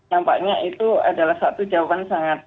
nampaknya itu adalah satu jawaban sangat